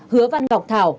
hứa văn ngọc thảo